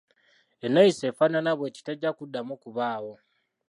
Enneeyisa efaanana bweti tejja kuddamu kubaawo.